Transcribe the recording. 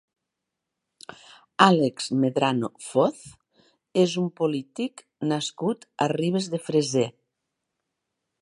Àlex Medrano Foz és un polític nascut a Ribes de Freser.